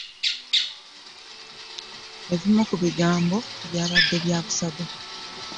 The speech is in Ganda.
Ebimu ku bigambo byabadde bya busagwa.